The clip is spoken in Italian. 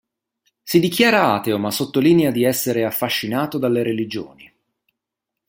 Si dichiara ateo ma sottolinea di essere affascinato dalle religioni.